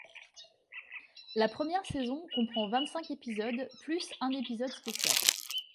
La première saison comprend vingt-cinq épisodes plus un épisode spécial.